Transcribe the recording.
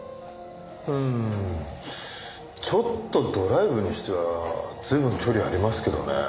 うんちょっとドライブにしては随分距離ありますけどね。